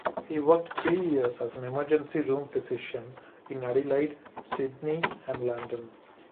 He worked three years as an emergency-room physician in Adelaide, Sydney and London.